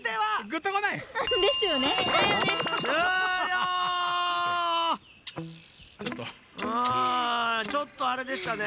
うんちょっとあれでしたね。